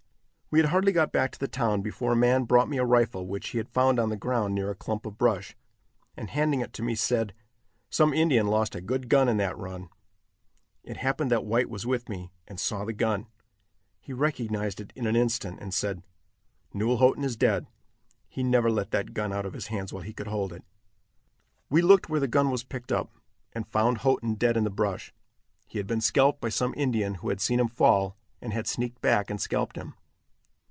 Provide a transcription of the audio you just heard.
We had hardly got back to the town before a man brought me a rifle which he had found on the ground near a clump of brush, and handing it to me said, "Some Indian lost a good gun in that run." It happened that White was with me, and saw the gun. He recognized it in an instant, and said: "Newell Houghton is dead. He never let that gun out of his hands while he could hold it." We looked where the gun was picked up, and found Houghton dead in the brush. He had been scalped by some Indian who had seen him fall, and had sneaked back and scalped him.